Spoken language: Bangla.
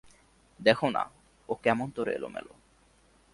দেখো-না, ও কেমনতরো এলোমেলো।